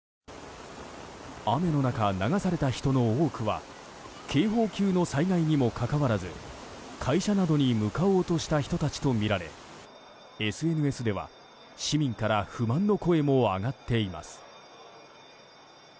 雨の中、流された人の多くは警報級の災害にもかかわらず会社などに向かおうとした人たちとみられＳＮＳでは市民から不満の声も上がっています。